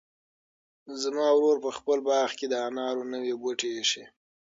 زما ورور په خپل باغ کې د انار نوي بوټي ایښي.